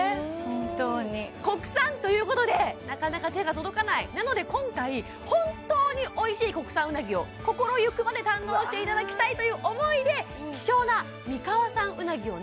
本当に国産ということでなかなか手が届かないなので今回本当においしい国産うなぎを心ゆくまで堪能していただきたいという思いで希少な三河産うなぎをなんとか確保